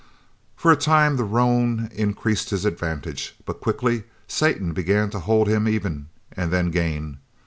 For a time the roan increased his advantage, but quickly Satan began to hold him even, and then gain.